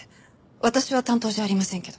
私は担当じゃありませんけど。